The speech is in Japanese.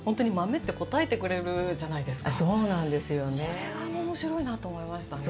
それが面白いなと思いましたね。